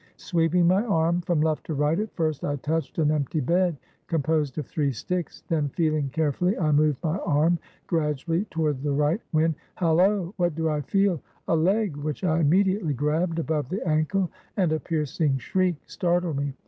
Sweep ing my arm from left to right, at first I touched an empty bed, composed of three sticks; then, feehng care fully, I moved my arm gradually toward the right, when — hallo! what do I feel? A leg! which I immediately grabbed above the ankle, and a piercing shriek startled me.